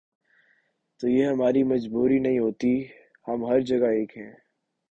تو یہ ہماری مجبوری نہیں ہوتی، ہم ہر جگہ ایک ہیں۔